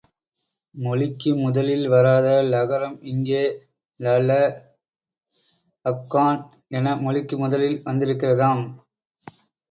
மொழிக்கு முதலில் வராத லகரம், இங்கே லள ஃகான் என மொழிக்கு முதலில் வந்திருக்கிறதாம்.